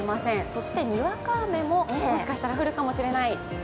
そしてにわか雨ももしかしたら降るかもしれない。